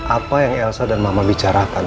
apa yang elsa dan mama bicarakan